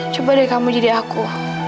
coba deh kamu jadi aku